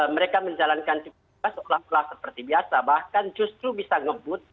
mereka menjalankan cipta seolah olah seperti biasa bahkan justru bisa ngebut